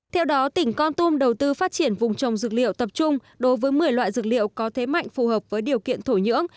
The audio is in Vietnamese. theo đó tỉnh con tum đầu tư phát triển vùng trồng dược liệu tập trung đối với một mươi loại dược liệu có thế mạnh phù hợp với điều kiện thổ nhưỡng